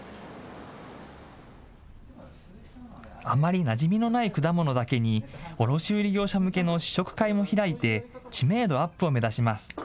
あまりなじみのない果物だけに、卸売り業者向けの試食会も開いて、知名度アップを目指します。